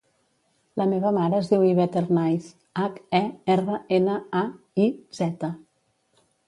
La meva mare es diu Ivette Hernaiz: hac, e, erra, ena, a, i, zeta.